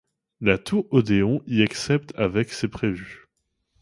La Tour Odéon y excepte avec ses prévus.